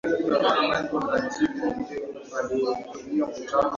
inaweza kutokea wakati wowote weye manufaa